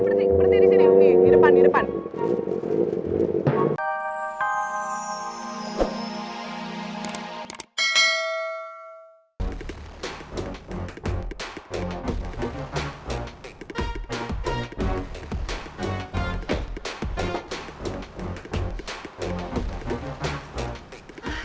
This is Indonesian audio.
terima kasih ya pak